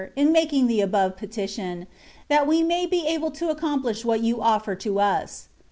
in making the above petition, that we may be able to accomplish what you oflfer to us.